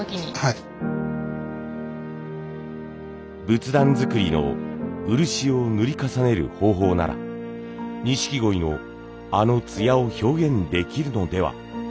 仏壇作りの漆を塗り重ねる方法なら錦鯉のあの艶を表現できるのではと考えました。